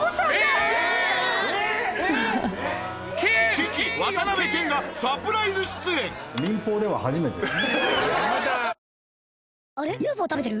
父渡辺謙がサプライズ出演民放では初めてです。